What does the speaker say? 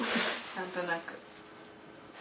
何となく。